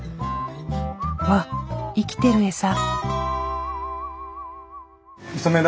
わっ生きてるエサ。